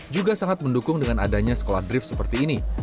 juga sangat mendukung dengan adanya sekolah drift seperti ini